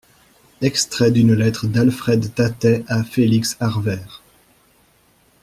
Extrait d'une lettre d'Alfred Tattet à Félix Arvers.